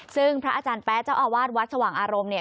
ซึ่งพระอาจารย์แป๊ะเจ้าอาวาสวัดสว่างอารมณ์เนี่ย